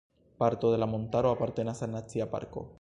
Parto de la montaro apartenas al Nacia parko.